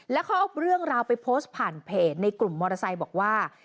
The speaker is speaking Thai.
แล้วเขาเอาเรื่องราวไปโพสต์ผ่านเพจในกลุ่มมอเตอร์ไซค์บอกว่า